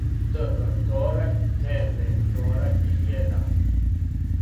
Тв торањ те ве торањ један